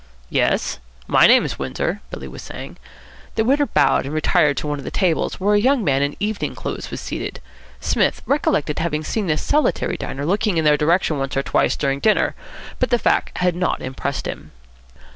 "Yes, my name's Windsor," Billy was saying. The waiter bowed and retired to one of the tables where a young man in evening clothes was seated. Psmith recollected having seen this solitary diner looking in their direction once or twice during dinner, but the fact had not impressed him.